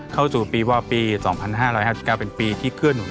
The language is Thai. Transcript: เข้าสู่ปีว่าปี๒๕๕๙เป็นปีที่เคลื่อหุ